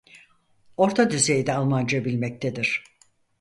Orta düzeyde Almanca bilmektedir.